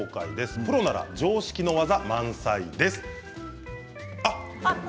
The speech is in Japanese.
プロなら常識の技が満載です。